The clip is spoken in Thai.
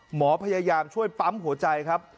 หมอพยายามช่วยปั๊มหัวใจครับ